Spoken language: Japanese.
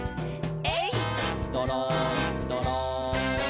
「えいっどろんどろん」